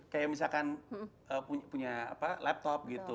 kayak misalkan punya laptop gitu